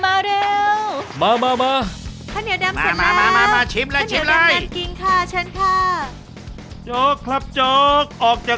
มา